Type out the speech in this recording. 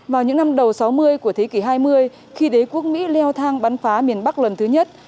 vào những năm đầu sáu mươi của thế kỷ hai mươi khi đế quốc mỹ leo thang bắn phá miền bắc lần thứ nhất